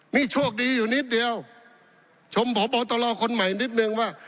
นี่โชคดีอยู่นิดเดียวชมพบตรคนใหม่นิดนึงว่า